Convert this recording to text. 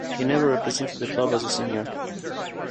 He never represented the club as a senior.